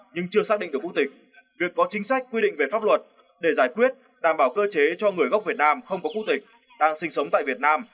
người gốc việt nam là người không có quốc tịch đang sinh sống tại việt nam